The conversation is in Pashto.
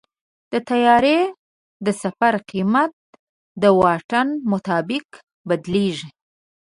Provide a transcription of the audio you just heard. د طیارې د سفر قیمت د واټن مطابق بدلېږي.